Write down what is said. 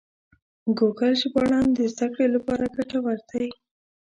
ګوګل ژباړن د زده کړې لپاره ګټور دی.